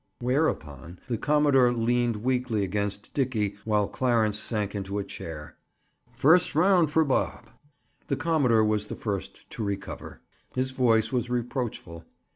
Whereupon the commodore leaned weakly against Dickie while Clarence sank into a chair. First round for Bob! The commodore was the first to recover. His voice was reproachful.